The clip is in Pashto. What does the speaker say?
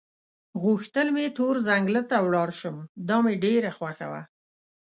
غوښتل مې تور ځنګله ته ولاړ شم، دا مې ډېره خوښه وه.